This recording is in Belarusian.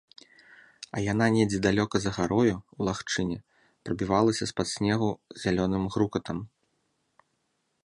А яна недзе далёка за гарою, у лагчыне, прабівалася з-пад снегу зялёным грукатам.